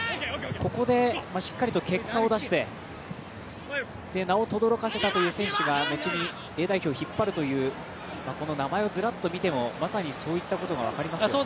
ここで、しっかりと結果を出して名をとどろかせたという選手が後にＡ代表を引っ張るという名前を見てもまさにそういったことが分かりますね。